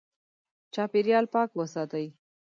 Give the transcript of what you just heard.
چاپېریال پاک وساتئ.